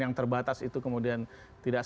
yang terbatas itu kemudian tidak